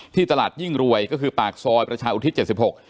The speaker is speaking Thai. ตลาดยิ่งรวยก็คือปากซอยประชาอุทิศเจ็ดสิบหก